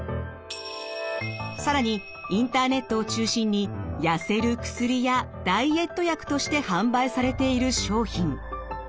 更にインターネットを中心にやせる薬やダイエット薬として販売されている商品。